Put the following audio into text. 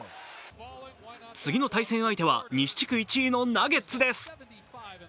次の対戦相手は西地区１位のナゲッツです。